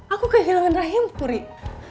aku kehilangan rahimku rik